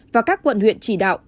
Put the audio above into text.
và các quận huyện chỉ đạo